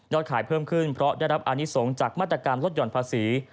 ขายเพิ่มขึ้นเพราะได้รับอานิสงฆ์จากมาตรการลดห่อนภาษี